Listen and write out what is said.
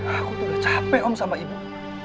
aku tuh udah capek om sama ibu